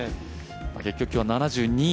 結局今日は７２。